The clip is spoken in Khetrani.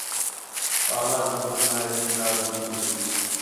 پَاہلا جو کُج نے تِھین٘دا دُھند تی وِچ